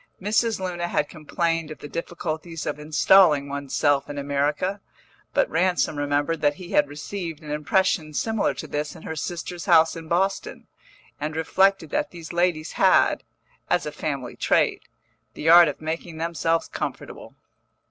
Mrs. Luna had complained of the difficulties of installing one's self in America, but Ransom remembered that he had received an impression similar to this in her sister's house in Boston, and reflected that these ladies had, as a family trait, the art of making themselves comfortable.